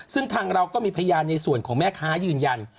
ซึ่งทางเราก็มีพยานในส่วนของแม่ค้ายืนยัน